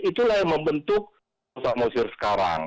itulah yang membentuk pulau samosir sekarang